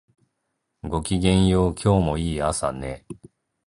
ごきげんよう、今日もいい朝ね